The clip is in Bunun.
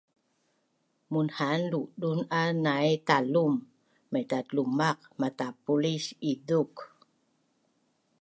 Munhaan luduna nai Talum maitatlumaq matapulis izuk